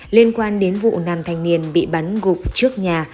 liên quan đến vụ nam thanh niên bị bắn gục trước nhà